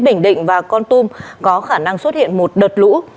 bình định và con tum có khả năng xuất hiện một đợt lũ